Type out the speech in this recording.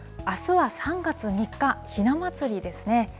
あすは３月３日、ひな祭りですね。